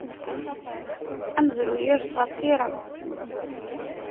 Amezruy ires ɣef tira.